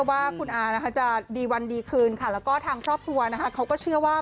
ว่าคุณอาจะดีวันดีคืนแล้วก็ทางครอบครัวเขาก็เชื่อว่า